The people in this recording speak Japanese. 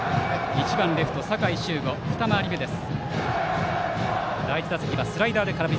１番、レフト酒井柊伍バッター、二回り目です。